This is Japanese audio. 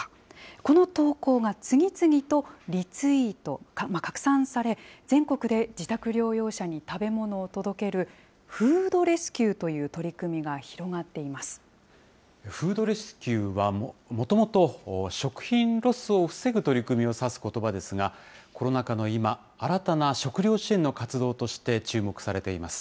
この投稿が次々とリツイート、拡散され、全国で自宅療養者に食べ物を届けるフードレスキューという取り組フードレスキューはもともと、食品ロスを防ぐ取り組みを指すことばですが、コロナ禍の今、新たな食料支援の活動として注目されています。